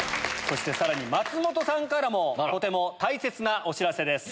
そして松本さんからもとても大切なお知らせです。